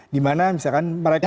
dimana misalkan mereka hanya